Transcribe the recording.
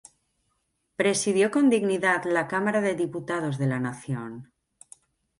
Presidió con dignidad la Cámara de Diputados de la Nación.